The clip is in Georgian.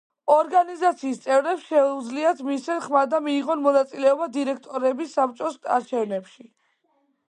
ორგანიზაციის წევრებს შეუძლიათ მისცენ ხმა და მიიღონ მონაწილეობა დირექტორების საბჭოს არჩევნებში.